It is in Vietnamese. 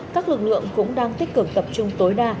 các lực lượng cũng đang tích cực tập trung tối đa